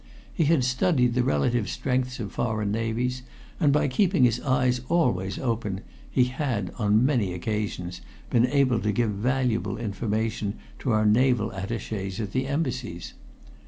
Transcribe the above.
He had studied the relative strengths of foreign navies, and by keeping his eyes always open he had, on many occasions, been able to give valuable information to our naval attachés at the Embassies.